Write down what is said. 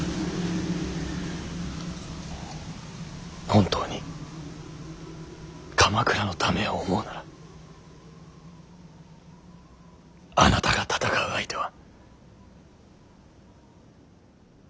本当に鎌倉のためを思うならあなたが戦う相手は。